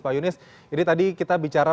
pak yunis ini tadi kita bicara